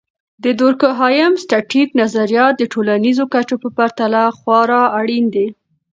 د دورکهايم.static نظریات د ټولنیزو کچو په پرتله خورا اړین دي.